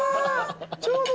ちょうど。